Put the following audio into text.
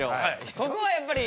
ここはやっぱり。